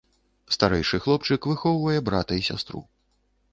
Старэйшы хлопчык выхоўвае брата і сястру.